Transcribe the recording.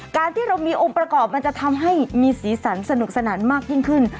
การที่เรามีองค์ประกอบมันจะทำให้มีสีสันสนุกสนานมากยิ่งขึ้น